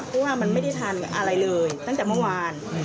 เพราะว่ามันไม่ได้ทานอะไรเลยตั้งแต่เมื่อวาน